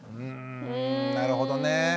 うんなるほどね。